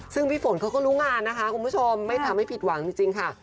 ซึ่งพี่ฝนเขาก็รู้งานนะคะคุณผู้ชมไม่ทำให้ผิดหวังจริงค่ะ